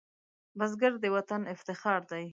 بزګر د وطن افتخار دی